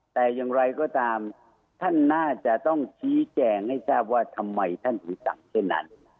แต่อย่างไรก็ตามท่านน่าจะต้องชี้แจงให้ทราบว่าทำไมท่านถึงสั่งเช่นนั้น